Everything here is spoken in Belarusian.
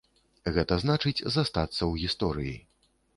Гэта значыць, застацца ў гісторыі.